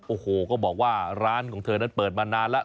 โอ้โหก็บอกว่าร้านของเธอนั้นเปิดมานานแล้ว